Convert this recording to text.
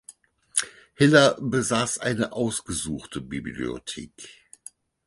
Hiller besaß eine ausgesuchte Bibliothek.